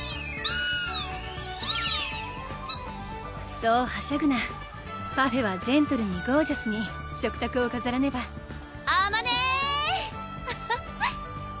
そうはしゃぐなパフェはジェントルにゴージャスに食卓を飾らねば・あまね！